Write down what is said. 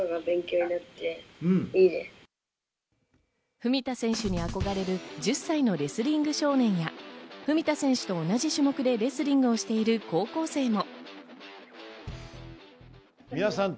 文田選手に憧れる１０歳のレスリング少年や、文田選手と同じ種目でレスリングをしている高校生も。